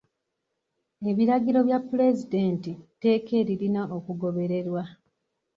Ebiragiro bya puleezidenti tteeka eririna okugobererwa.